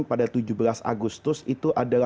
pada tujuh belas agustus itu adalah